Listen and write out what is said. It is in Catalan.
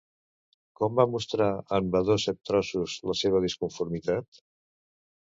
Com va mostrar, en Vadó Set-trossos, la seva disconformitat?